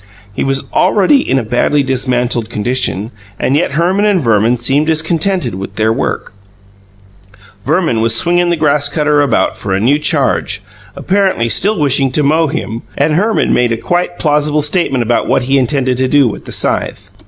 He was already in a badly dismantled condition, and yet Herman and Verman seemed discontented with their work: Verman was swinging the grass cutter about for a new charge, apparently still wishing to mow him, and Herman had made a quite plausible statement about what he intended to do with the scythe.